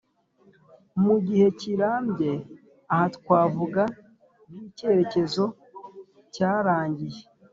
Mu gihe kirambye aho twavuga nk ikerekezo cyarangiye